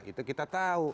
itu kita tahu